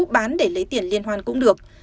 bán để lấy tiền liên hoan cũng được